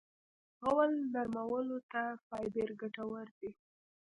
غول نرمولو ته فایبر ګټور دی.